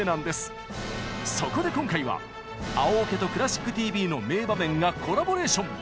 そこで今回は「青オケ」と「クラシックＴＶ」の名場面がコラボレーション！